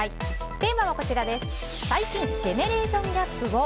テーマは、最近ジェネレーションギャップを。